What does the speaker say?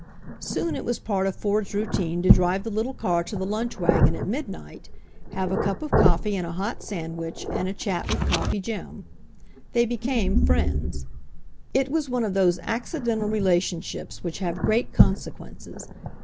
Soon it was part of Ford's routine to drive the little car to the lunch wagon at midnight, have a / cup of coffee and a hot sandwich and a chat with i Coffee Jim. They became friends. 1 It was one of those accidental relationships which have great consequences.